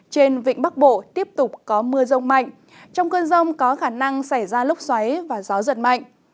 trên vịnh bắc bộ tiếp tục có mưa rông mạnh trong cơn rông có khả năng xảy ra lúc xoáy và gió giật mạnh